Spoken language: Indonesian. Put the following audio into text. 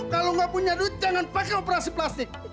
kalau nggak punya duit jangan pakai operasi plastik